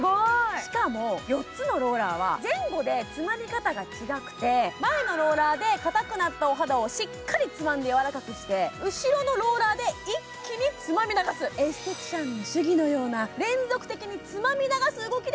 しかも４つのローラーは前後でつまみ方が違くて前のローラーでかたくなったお肌をつまんでしっかりやわらかくして、後ろのローラーで一気につまみ流すエステティシャンの手技のような。